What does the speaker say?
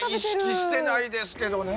意識してないですけどね。